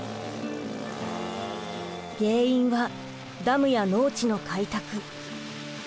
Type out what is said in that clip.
原因はダムや農地の開拓。